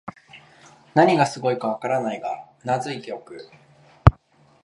何がすごいかわからないが頷いておく